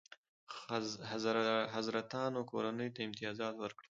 حضرتانو کورنۍ ته امتیازات ورکړل.